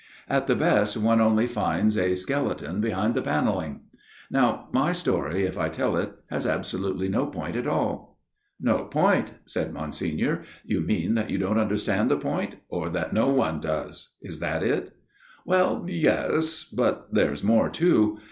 At the best one only finds a skeleton behind the panelling. Now my story, if I tell it, has absolutely no point at all." " No point !" said Monsignor ;" you mean that you don't understand the point, or that no one does ? Is that it ?"" Well, yes ; but there is more too.